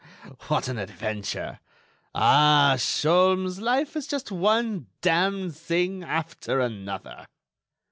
What an adventure!... Ah! Sholmes, life is just one damn thing after another!"